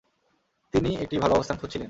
তিনি একটি ভাল অবস্থান খুঁজছিলেন।